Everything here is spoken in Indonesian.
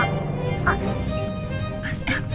ah ah asap